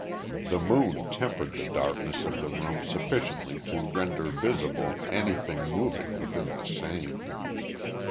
The moon tempered the darkness of the room sufficiently to render visible anything moving within the same.